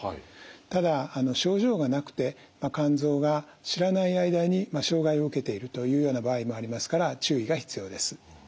ただ症状がなくて肝臓が知らない間に障害を受けているというような場合もありますから注意が必要です。